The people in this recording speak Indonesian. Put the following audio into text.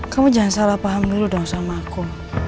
kamu jangan salah paham dulu dong sama aku